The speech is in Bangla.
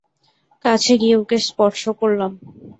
কাছে গিয়ে ওকে স্পর্শ করলাম।